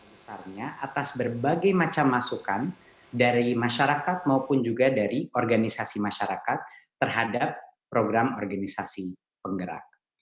besarnya atas berbagai macam masukan dari masyarakat maupun juga dari organisasi masyarakat terhadap program organisasi penggerak